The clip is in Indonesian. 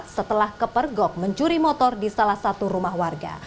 setelah kepergok mencuri motor di salah satu rumah warga